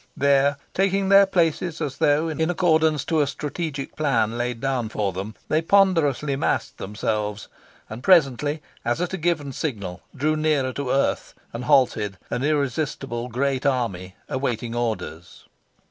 There, taking their places as though in accordance to a strategic plan laid down for them, they ponderously massed themselves, and presently, as at a given signal, drew nearer to earth, and halted, an irresistible great army, awaiting orders.